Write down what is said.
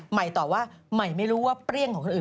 ใหม่ตอบว่าใหม่ไม่รู้ว่าเปรี้ยงของคนอื่น